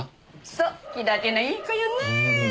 そう気立てのいい子よねぇ。